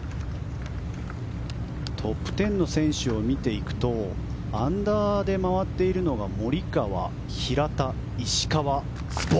トップ１０の選手を見ていくとアンダーで回っているのがモリカワ、平田、石川。